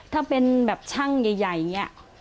ถ้าเป็นแบบช่างใหญ่อย่างนี้